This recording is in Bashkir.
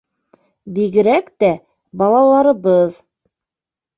Бигерәк тә балаларыбыҙ.